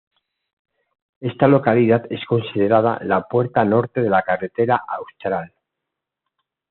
Esta localidad es considerada "la puerta norte de la Carretera Austral".